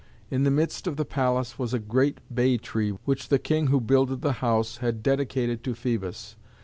In the midst of the palace was a great bay tree, which the king who builded the house had dedicated to Phœbus.